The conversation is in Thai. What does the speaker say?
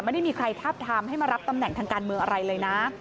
ไม่ได้มีใครทาบทามให้มารับตำแหน่งทางการเมืองอะไรเลยนะ